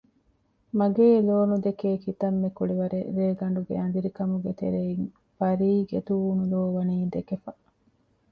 މަގޭ ލޯ ނުދެކޭ ކިތަންމެ ކުޅިވަރެއް ރޭގަނޑުގެ އަނދިރިކަމުގެ ތެރެއިން ޕަރީގެ ތޫނު ލޯ ވަނީ ދެކެފަ